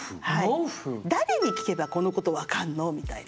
誰に聞けばこのこと分かんの？みたいな。